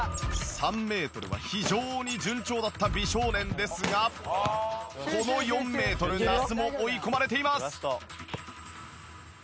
３メートルは非常に順調だった美少年ですがこの４メートル那須も追い込まれています。